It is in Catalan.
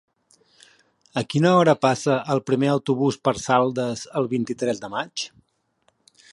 A quina hora passa el primer autobús per Saldes el vint-i-tres de maig?